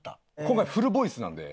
今回フルボイスなんで。